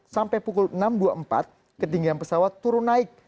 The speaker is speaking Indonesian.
sampai pukul enam dua puluh empat ketinggian pesawat turun naik